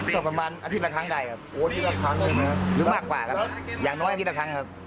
ก็ประมาณอาทิตย์ละครั้งได้ครับหรือมากกว่าครับอย่างน้อยอาทิตย์ละครั้งครับ